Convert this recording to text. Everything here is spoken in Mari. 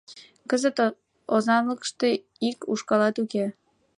Кызыт озанлыкыште ик ушкалат уке.